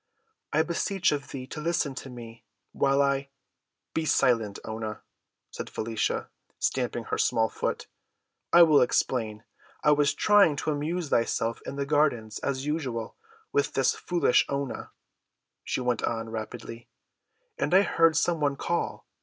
"I beseech of thee to listen to me, while I—" "Be silent, Oonah," said Felicia, stamping her small foot. "I will explain. I was trying to amuse myself in the gardens, as usual, with this foolish Oonah," she went on rapidly, "and I heard some one call.